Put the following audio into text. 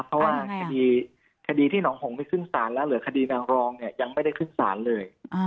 เพราะว่าคดีที่หนองหงไปขึ้นศาลแล้วเหลือคดีนางรองเนี่ยยังไม่ได้ขึ้นศาลเลย